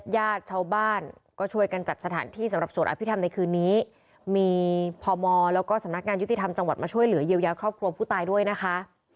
ญาติชาวบ้านก็ช่วยกันจัดสถานที่สำหรับสวดอภิษฐรรมในคืนนี้มีพมแล้วก็สำนักงานยุติธรรมจังหวัดมาช่วยเหลือเยียวยาครอบครัวผู้ตายด้วยนะคะ